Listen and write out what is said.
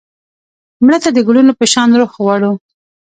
مړه ته د ګلونو په شان روح غواړو